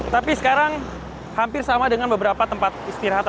tapi sekarang hampir sama dengan beberapa tempat istirahat